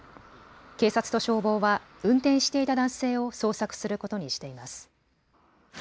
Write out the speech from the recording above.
警察と消防は運転していた男性を捜索することにしています。